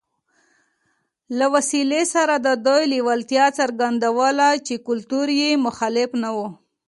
له وسلې سره د دوی لېوالتیا څرګندوله چې کلتور یې مخالف نه و